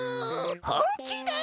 ほんきだよ！